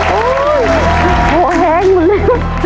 โอ้โหแหงหมดเลย